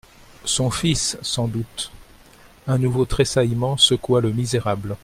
Son fils sans doute ! Un nouveau tressaillement secoua le misérable.